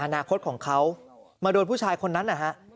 อนาคตของเขามาโดนผู้ชายคนนั้นนะฮะ